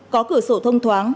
có cửa sổ thông thoáng